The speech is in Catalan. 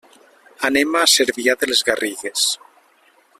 Anem a Cervià de les Garrigues.